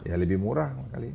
ya lebih murah